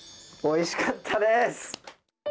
おいしかったです。